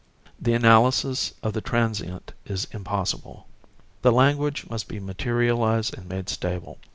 The analysis of the transient is impossible. The language must be materialised and made stable.